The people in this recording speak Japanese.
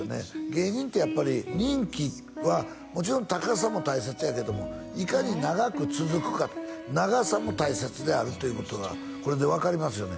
芸人ってやっぱり人気はもちろん高さも大切やけどもいかに長く続くか長さも大切であるということがこれで分かりますよね